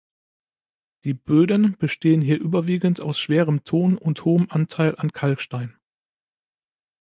Die Böden bestehen hier überwiegend aus schwerem Ton mit hohem Anteil an Kalkstein.